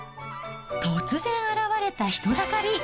突然現れた人だかり。